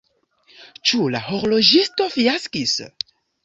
Ĉu la horloĝisto fiaskis?